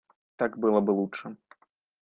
Так было бы лучше.